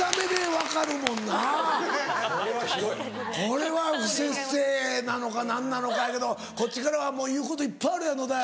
これは不摂生なのか何なのかやけどこっちからはもう言うこといっぱいあるやろ野田。